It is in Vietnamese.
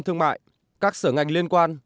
thương mại các sở ngành liên quan